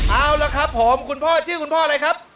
เอาละครับผมคุณพ่อชื่อคุณพ่ออะไรครับ